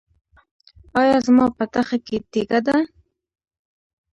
ایا زما په تخه کې تیږه ده؟